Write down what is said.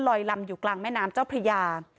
ลำอยู่กลางแม่น้ำเจ้าพระยา